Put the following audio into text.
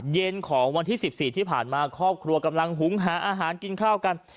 เย็นของวันที่๑๔ที่ผ่านมาครอบครัวกำลังหุงหาอาหารกินข้าวกัน